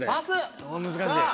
難しい。